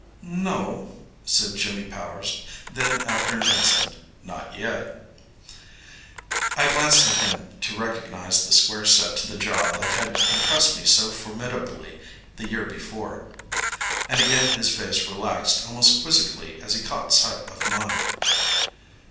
"No," said Jimmy Powers; then after an instant, "Not yet." I glanced at him to recognise the square set to the jaw that had impressed me so formidably the year before. And again his face relaxed almost quizzically as he caught sight of mine.